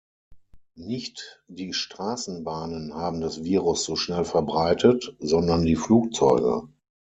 Nicht die Straßenbahnen haben das Virus so schnell verbreitet, sondern die Flugzeuge.